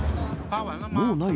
もうない？